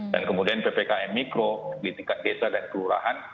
dan kemudian ppkm mikro di tingkat desa dan kelurahan